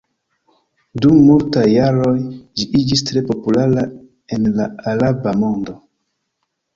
Dum multaj jaroj ĝi iĝis tre populara en la araba mondo.